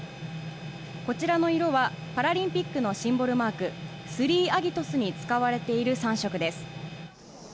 こちらの色は、パラリンピックのシンボルマーク、スリーアギトスに使われている３色です。